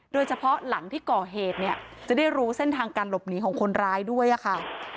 โดยเฉพาะหลังที่ก่อเหตุเนี่ยจะได้รู้เส้นทางการหลบหนีของคนร้ายด้วยค่ะ